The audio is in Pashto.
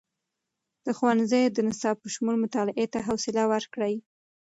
د ښوونځیو د نصاب په شمول، مطالعې ته خوصله ورکړئ.